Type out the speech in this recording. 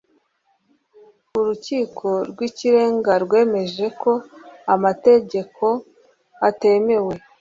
Urukiko rwIkirenga rwemeje ko amategeko atemewe